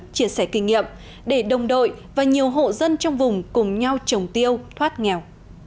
chia sẻ kinh nghiệm để đồng đội và nhiều hộ dân trong vùng cùng nhau trồng tiêu thoát nghèo